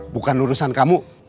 bukan urusan kamu